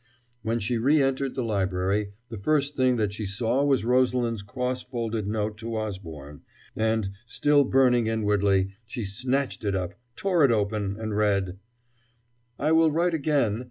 When she re entered the library the first thing that she saw was Rosalind's cross folded note to Osborne, and, still burning inwardly, she snatched it up, tore it open, and read: I will write again.